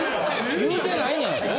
言うてないねん。